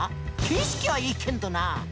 景色はいいけんどな。